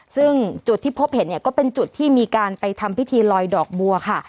ซึ่งจุดที่พบเห็นเนี่ยก็เป็นจุดที่มีการไปทำพิธีลอยดอกบัวค่ะ